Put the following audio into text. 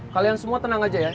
kalian semua tenang aja ya